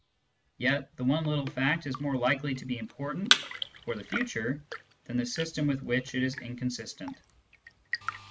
Yet the one little fact is more likely to be important for the future than the system with which it is inconsistent.